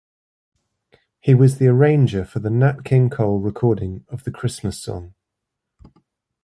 He was the arranger for the Nat King Cole recording of The Christmas Song.